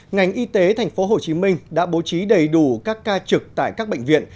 ngành y tế tp hcm đã bố trí đầy đủ các ca trực tại các bệnh viện